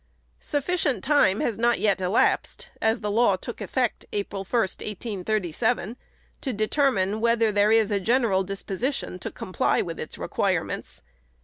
Sufficient time has not yet elapsed (as the law took effect April 1, 1837) to determine whether there is a general disposition to comply with its requirements.